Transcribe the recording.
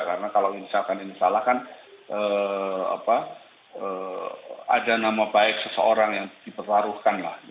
karena kalau ingin salah kan ada nama baik seseorang yang dipertaruhkan lah